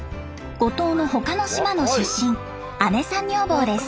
五島の他の島の出身姉さん女房です。